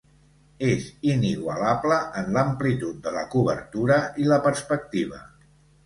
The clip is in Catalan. És inigualable en l'amplitud de la cobertura i la perspectiva.